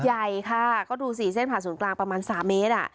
ใหญ่ค่ะก็ดูสิเส้นผ่านศูนย์กลางประมาณ๓เมตร